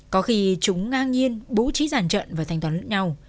có khi chúng ngang nhiên bố trí giàn trận và thành toán lực nhau